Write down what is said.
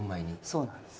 そうなんです。